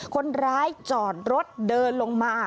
คนร้ายจอดรถเดินลงมา